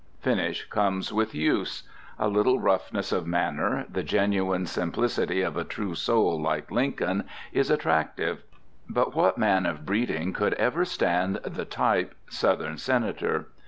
Finish comes with use. A little roughness of manner, the genuine simplicity of a true soul like Lincoln, is attractive. But what man of breeding could ever stand the type Southern Senator?